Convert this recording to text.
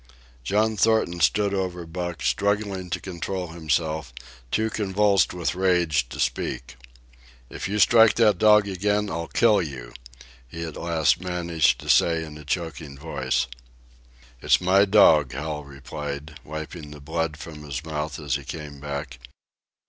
John Thornton stood over Buck, struggling to control himself, too convulsed with rage to speak. "If you strike that dog again, I'll kill you," he at last managed to say in a choking voice. "It's my dog," Hal replied, wiping the blood from his mouth as he came back.